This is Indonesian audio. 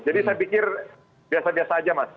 jadi saya pikir biasa biasa saja mas